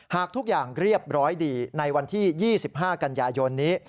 หากทุกอย่างเรียบร้อยดีในวันที่๒๕กันยายนนี้